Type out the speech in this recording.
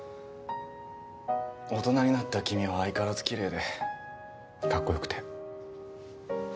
大人になった君は相変わらずきれいでかっこよくて。